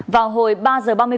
vào hồi ba h ba mươi